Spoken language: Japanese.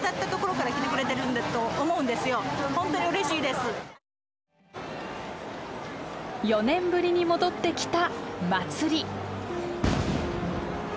すごい！４年ぶりに戻ってきた祭り。